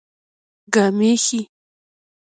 ګامېښې